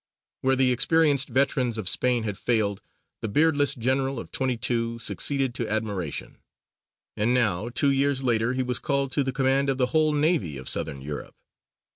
Where the experienced veterans of Spain had failed, the beardless general of twenty two succeeded to admiration. And now, two years later, he was called to the command of the whole navy of Southern Europe.